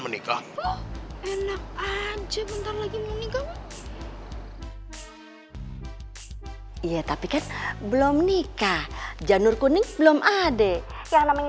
menikah enak aja bentar lagi mau menikah iya tapi kan belum nikah janur kuning belum ade yang namanya